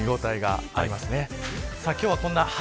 結構、見応えがありますね。